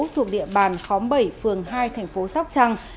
thuộc địa bàn khóm bảy phường hai thành phố sóc trăng